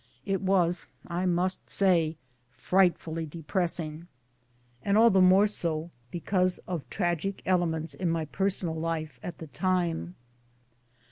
It was, I must say, fright fully depressing ; and all the more so because of tragic elements in my personal life at the time.